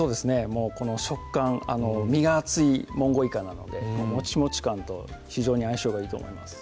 もうこの食感身が厚いもんごういかなのでもちもち感と非常に相性がいいと思います